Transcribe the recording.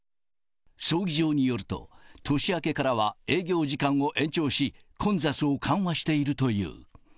葬儀場によると、年明けからは営業時間を延長し、混雑を緩和しているという。